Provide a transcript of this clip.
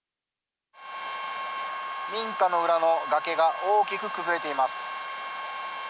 民家の裏の崖が大きく崩れています。